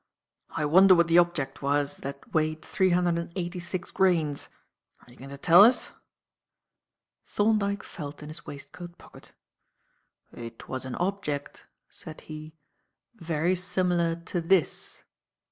I wonder what the object was that weighed three hundred and eighty six grains. Are you going to tell us?" Thorndyke felt in his waistcoat pocket. "It was an object," said he, "very similar to this."